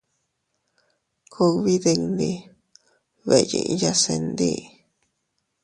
Kugbi dindi beʼeyiya se ndi.